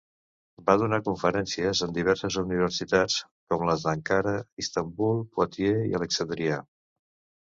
Va donar conferències en diverses universitats, com les d'Ankara, Istanbul, Poitiers i Alexandria.